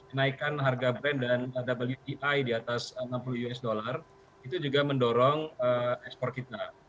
kenaikan harga brand dan wti di atas enam puluh usd itu juga mendorong ekspor kita